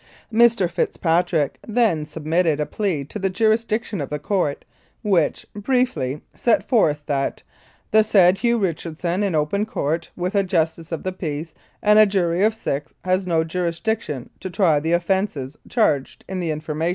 Mr. Fitzpatrick then submitted a plea to the jurisdic tion of the court which, briefly, set forth that "The said Hugh Richardson, in open Court with a Justice of the Peace and a jury of six, has no jurisdiction to try the offences charged in the information."